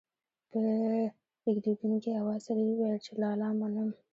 په رېږېدونکي اواز سره يې وويل چې لالا منم.